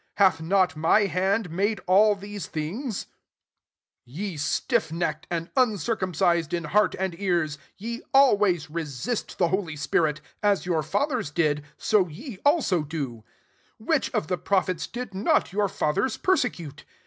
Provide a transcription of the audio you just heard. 50 hath not my hand made all these things ?' 51 " Ye stiff necked, and un circumcised in heart and ears, ye always resist the holy spirit : as your fathers didy bo ye also do, 52 Which of the prophets ^id not your fathers persecute